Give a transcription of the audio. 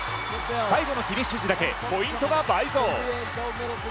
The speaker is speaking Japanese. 最後のフィニッシュ時だけポイントが倍増。